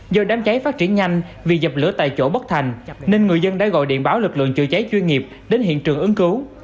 do đám cháy phát triển nhanh vì dập lửa tại chỗ bất thành nên người dân đã gọi điện báo lực lượng chữa cháy chuyên nghiệp đến hiện trường ứng cứu